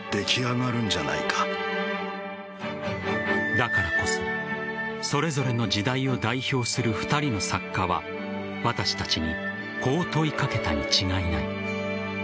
だからこそそれぞれの時代を代表する２人の作家は私たちにこう問いかけたに違いない。